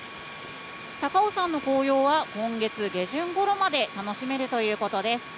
高尾山の紅葉は今月下旬ごろまで楽しめるということです。